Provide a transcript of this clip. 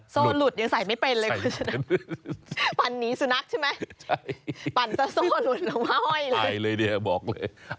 โซ่หลุดยังใส่ไม่เป็นเลยคุณชนะปั่นหนีสุนัขใช่ไหมใช่ปั่นสะโซ่หลุดลงมาห้อยเลยใส่เลยเนี่ยบอกเลย